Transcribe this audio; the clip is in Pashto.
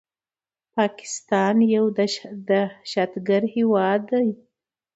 پاکستان يو دهشتګرد هيواد ده